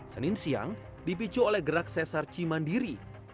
senin siang dipicu oleh gerak sesar cimandiri